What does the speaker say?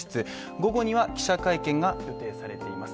午後には記者会見が予定されています。